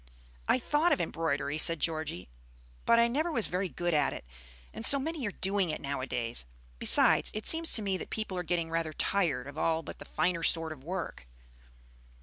"I thought of embroidery," said Georgie; "but I never was very good at it, and so many are doing it nowadays. Besides, it seems to me that people are getting rather tired of all but the finer sort of work."